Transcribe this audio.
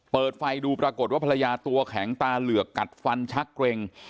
เปิดไฟดูปรากฏว่าภรรยาตัวแข็งตาเหลือกกัดฟันชักเกร็ง